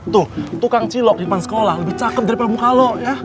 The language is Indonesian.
tuh tukang cilok di depan sekolah lebih cakep daripada mukalo ya